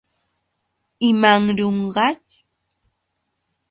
¿Imanrunqaćh?